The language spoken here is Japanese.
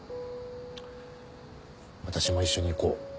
私も一緒に行こう。